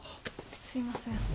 すいません。